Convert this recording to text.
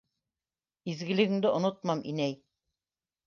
Изгелегеңде онотмам, инәй!